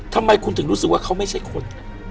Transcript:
ทำไมคุณถึงรู้สึกว่าเขาไม่ใช่คน